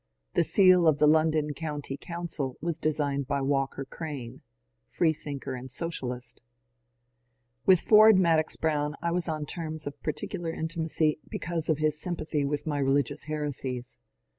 The seal of the London County Coimcil was designed by Walter Crane — freethinker and socialist. With Ford Madox Brown I was on terms of particular in timacy because of his sympathy with my religious heresies.